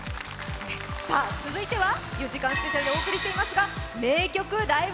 続いては４時間スペシャルでお送りしていますが、「名曲ライブ！